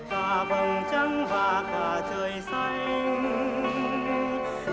cả phần trắng và cả trời xanh